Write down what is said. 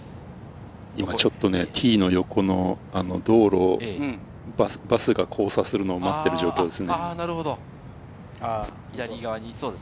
ティーの横の道路、バスが交差するのを待っている状況です。